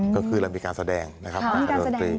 ก็คือเรามีการแสดงนะครับมีการแสดงด้วย